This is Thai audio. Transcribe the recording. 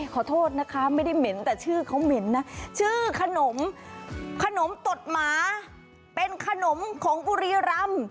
ขอโทษนะคะไม่ได้เหม็นแต่ชื่อเขาเหม็นนะชื่อขนมขนมตดหมาเป็นขนมของบุรีรำ